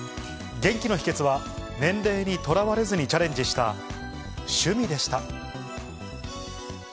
元気の秘けつは、年齢にとらわれずにチャレンジした趣味でした。